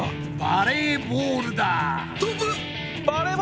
バレーボール！